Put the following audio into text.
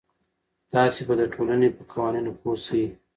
تاسې به د ټولنې په قوانینو پوه سئ.